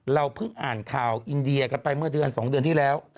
เพิ่งอ่านข่าวอินเดียกันไปเมื่อเดือน๒เดือนที่แล้ว